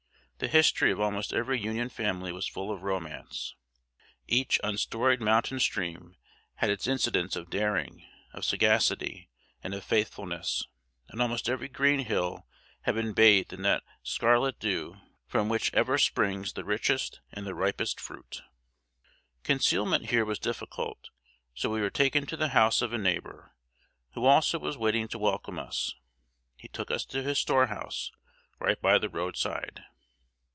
The history of almost every Union family was full of romance. Each unstoried mountain stream had its incidents of daring, of sagacity, and of faithfulness; and almost every green hill had been bathed in that scarlet dew from which ever springs the richest and the ripest fruit. Concealment here was difficult; so we were taken to the house of a neighbor, who also was waiting to welcome us. He took us to his storehouse, right by the road side.